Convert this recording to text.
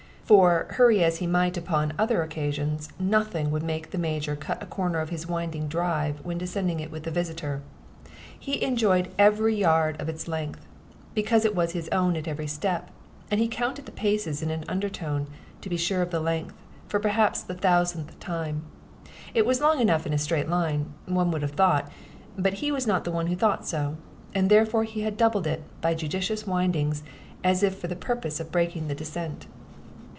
For, hurry as he might upon other occasions, nothing would make the Major cut a corner of his winding "drive" when descending it with a visitor. He enjoyed every yard of its length, because it was his own at every step, and he counted his paces in an under tone, to be sure of the length, for perhaps the thousandth time. It was long enough in a straight line, one would have thought, but he was not the one who thought so; and therefore he had doubled it by judicious windings, as if for the purpose of breaking the descent.